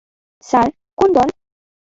Sir, কোন দল?